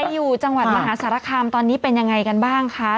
อยู่จังหวัดมหาสารคามตอนนี้เป็นยังไงกันบ้างคะ